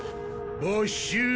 没収！